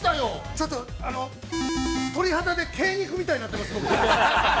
◆ちょっと鳥肌で鶏肉みたいになっています。